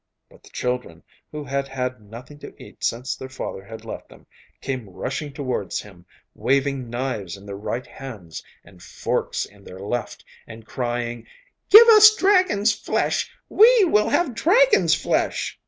But the children, who had had nothing to eat since their father had left them, came rushing towards him, waving knives in their right hands and forks in their left, and crying, 'Give us dragon's flesh; we will have dragon's flesh.